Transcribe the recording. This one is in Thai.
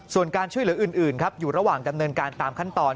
ส่วนการช่วยเหลืออื่นครับอยู่ระหว่างดำเนินการตามขั้นตอน